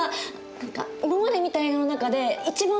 何か今まで見た映画の中で一番感動した！